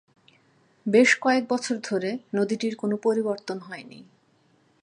বেশ কয়েক বছর ধরে নদীটির কোনো পরিবর্তন হয়নি।